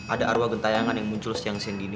ada arwah gentayangan yang muncul siang siang gini